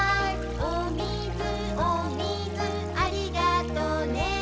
「おみずおみずありがとね」